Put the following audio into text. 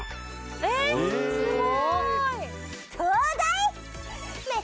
えっすごーい！